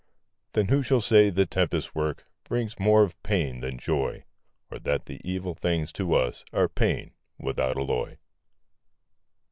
Then who shall say the tempest's work Brings more of pain than joy; Or that the evil things, to us Are pain, without alloy?